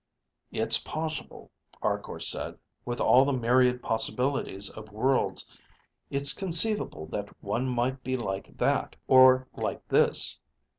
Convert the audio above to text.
"It's possible," Arkor said. "With all the myriad possibilities of worlds, it's conceivable that one might be like that, or like this."